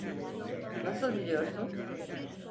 Nasıl biliyorsun?